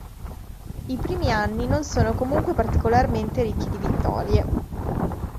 I primi anni non sono comunque particolarmente ricchi di vittorie.